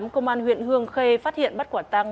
công an huyện hương khê phát hiện bắt quả tăng